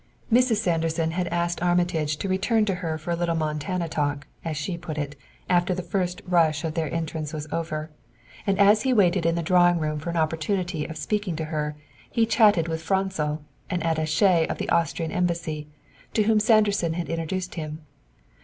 Mrs. Sanderson had asked Armitage to return to her for a little Montana talk, as she put it, after the first rush of their entrance was over, and as he waited in the drawing room for an opportunity of speaking to her, he chatted with Franzel, an attaché of the Austrian embassy, to whom Sanderson had introduced him.